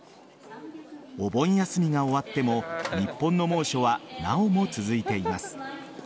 お盆休みが終わっても日本の猛暑はなおも続いています。